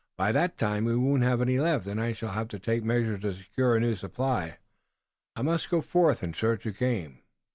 "By that time we won't have any left, and I shall have to take measures to secure a new supply. I must go forth in search of game."